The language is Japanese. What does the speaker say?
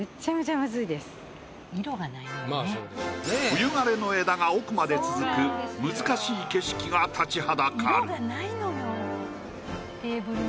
冬枯れの枝が奥まで続く難しい景色が立ちはだかる。